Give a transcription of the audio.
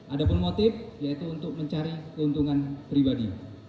ada pun motif yaitu untuk mencari keuntungan pribadi